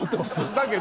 だけど。